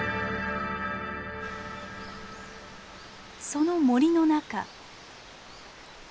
その森の中。